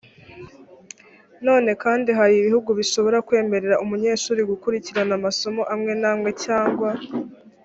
nanone kandi hari ibihugu bishobora kwemerera umunyeshuri gukurikirana amasomo amwe n amwe cyangwa